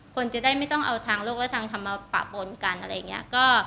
คนจะได้ไม่ต้องเอาทางโลกและทางธรรมมาปะปนกันอะไรอย่างนี้